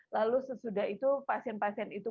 lalu sesudah itu pasien pasien itu